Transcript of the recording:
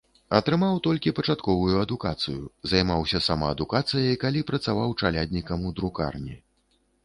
Атрымаў толькі пачатковую адукацыю, займаўся самаадукацыяй, калі працаваў чаляднікам у друкарні.